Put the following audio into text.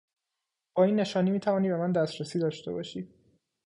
با این نشانی میتوانی به من دسترسی داشته باشی.